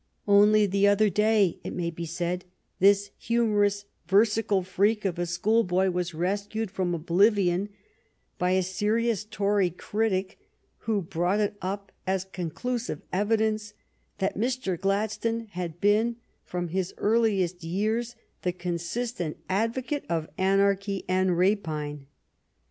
Only the other day, it may be said, this humorous versical fre^k of a school boy was rescued from oblivion by a serious Tory critic, who brought it up as conclusive evidence that Mr. Gladstone had been from his earliest years the consistent advocate of anarchy and rapine.